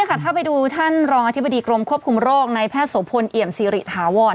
ถ้าไปดูท่านรองอธิบดีกรมควบคุมโรคในแพทย์โสพลเอี่ยมสิริถาวร